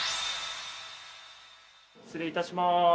失礼いたします。